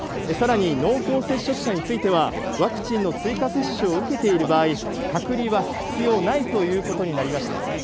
さらに濃厚接触者については、ワクチンの追加接種を受けている場合、隔離は必要ないということになりました。